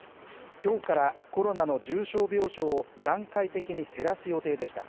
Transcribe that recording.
きょうからコロナの重症病床を、段階的に減らす予定でした。